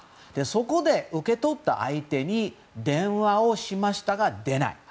そこで、受け取った相手に電話をしましたが出ない。